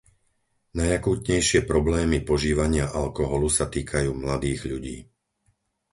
Najakútnejšie problémy požívania alkoholu sa týkajú mladých ľudí.